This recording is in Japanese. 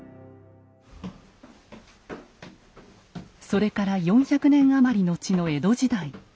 それから４００年余り後の江戸時代。